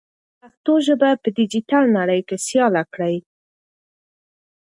پښتو ژبه په ډیجیټل نړۍ کې سیاله کړئ.